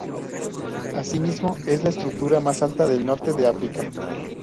Asimismo es la estructura más alta del norte de África.